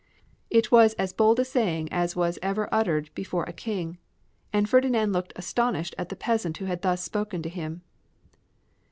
It was as bold a saying as ever was uttered before a King, and Ferdinand looked astonished at the peasant who was thus speaking to him.